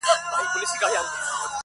څنگه دي وستايمه.